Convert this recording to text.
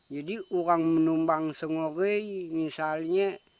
jadi orang menumbang sengerai misalnya